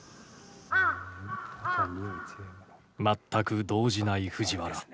全く動じない藤原。